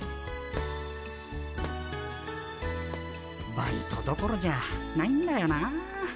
バイトどころじゃないんだよなあ。